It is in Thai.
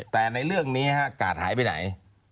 แต่ในเรื่องนี้กาดหายไปไหน